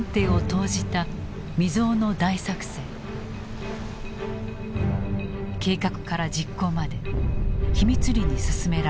計画から実行まで秘密裏に進められた。